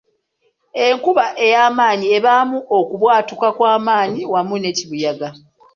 Enkuba eyamaanyi ebaamu okubwatuka kwamaanyi wamu ne kibuyaga.